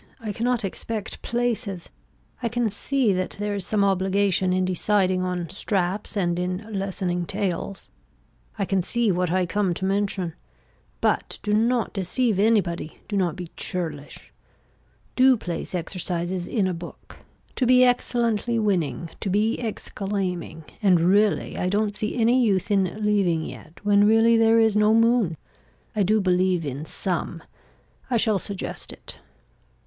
I cannot expect places. I can see that there is some obligation in deciding on straps and in lessening tails. I can see what I come to mention. But do not deceive anybody, do not be churlish. Do place exercises in a book. To be excellently winning, to be exclaiming and really I don't see any use in leaving yet when really there is no moon. I do believe in some. I shall suggest it.